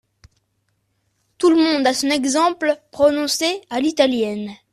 Tout le monde à son exemple, prononçait à l'italienne.